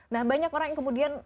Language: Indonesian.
nah banyak orang yang kemudian